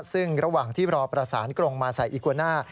ซึ่งระหว่างที่รอประสานกรงมาใส่อีกวาน่า